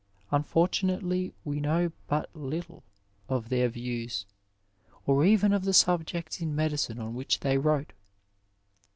Unfortunately we know but little of their views, or even of the subjects in medicine on which they wrote.